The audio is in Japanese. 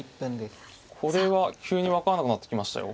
これは急に分からなくなってきましたよ。